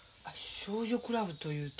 「少女クラブ」というと。